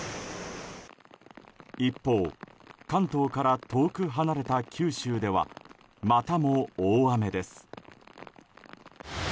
一方、関東から遠く離れた九州では、またも大雨です。